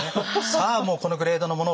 さあもうこのグレードのもの